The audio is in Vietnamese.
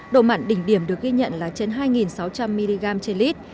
độ mặn đỉnh điểm được ghi nhận là trên hai sáu trăm linh mg trên lít